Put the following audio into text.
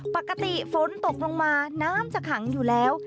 ปกติฝนตกลงมาน้ำจะขังอยู่แล้ว